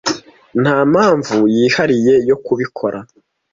Nta mpamvu yihariye yo kubikora.